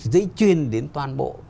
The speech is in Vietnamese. dây chuyên đến toàn bộ